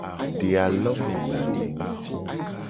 De alome le ame nguti.